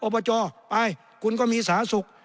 อบจไปคุณก็มีสาสุก